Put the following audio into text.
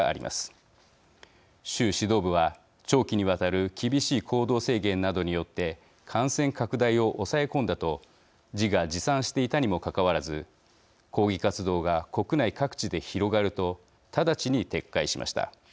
習指導部は長期にわたる厳しい行動制限などによって感染拡大を抑え込んだと自画自賛していたにもかかわらず抗議活動が国内各地で広がると直ちに撤回しました。